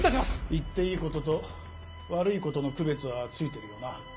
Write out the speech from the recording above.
言っていいことと悪いことの区別はついてるよな？